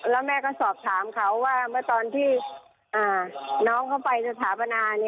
แล้วแม่ก็สอบถามเขาว่าเมื่อตอนที่น้องเขาไปสถาปนา